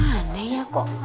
aneh ya kok